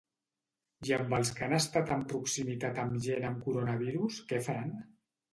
I amb els que han estat amb proximitat amb gent amb coronavirus què faran?